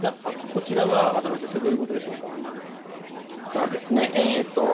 こちらは渡邊先生どういうことでしょうか。